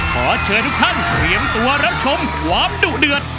ขอเชิญทุกท่านเตรียมตัวรับชมความดุเดือด